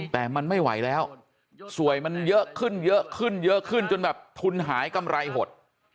แต่มันไม่ไหวแล้วสวยมันเยอะขึ้นจนแบบทุนหายกำไรหด